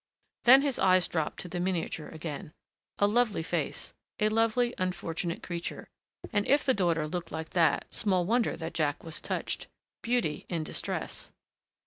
Then his eyes dropped to the miniature again. A lovely face. A lovely unfortunate creature.... And if the daughter looked like that, small wonder that Jack was touched.... Beauty in distress.